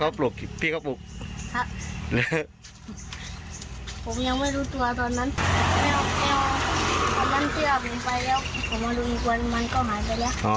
ผมมาดูอีกวันมันก็หายไปแล้ว